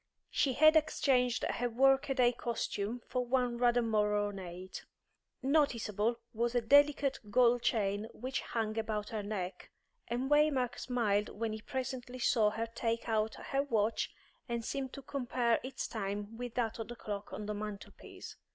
She had exchanged her work a day costume for one rather more ornate. Noticeable was a delicate gold chain which hung about her neck, and Waymark smiled when he presently saw her take out her watch and seem to compare its time with that of the clock on the mantelpiece.